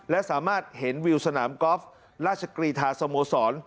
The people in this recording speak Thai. และสามารถเห็นวิวสนามกอล์ฟราชกรีธาสโมสร